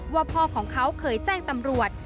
ว่าพ่อของเขาเคยแจ้งตำรวจ